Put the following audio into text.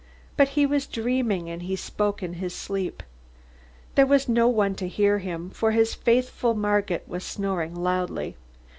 But he was dreaming and he spoke in his sleep. There was no one to hear him, for his faithful Margit was snoring loudly.